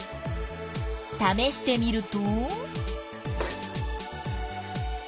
ためしてみると？